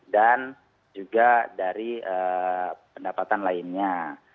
dan juga dari pendapatan lainnya